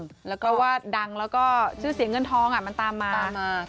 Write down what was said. เพราะว่าดังแล้วก็ชื่อเสียเงินทองมันตามมา